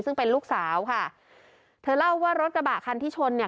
ซึ่งเป็นลูกสาวค่ะเธอเล่าว่ารถกระบะคันที่ชนเนี่ย